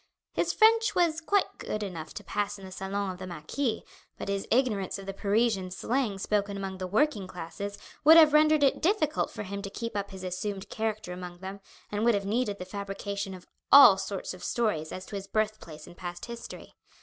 His French was quite good enough to pass in the salon of the marquis, but his ignorance of the Parisian slang spoken among the working classes would have rendered it difficult for him to keep up his assumed character among them, and would have needed the fabrication of all sorts of stories as to his birthplace and past history.